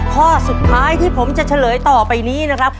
ข้อสุดท้ายที่ผมจะเฉลยต่อไปนี้นะครับ